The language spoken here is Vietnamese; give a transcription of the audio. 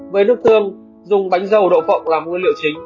với nước tương dùng bánh dâu đậu phộng làm nguyên liệu chính